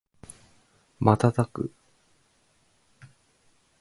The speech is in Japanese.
瞬く